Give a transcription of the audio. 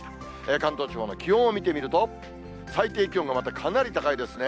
関東地方の気温を見てみると、最低気温がまたかなり高いですね。